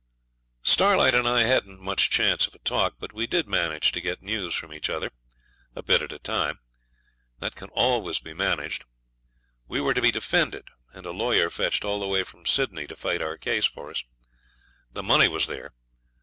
Starlight and I hadn't much chance of a talk, but we managed to get news from each other, a bit at a time; that can always be managed. We were to be defended, and a lawyer fetched all the way from Sydney to fight our case for us. The money was there.